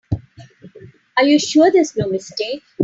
Are you sure there's no mistake?